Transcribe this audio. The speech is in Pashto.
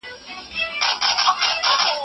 زه شاید په راتلونکي کال کي خپله کارخانه ولرم.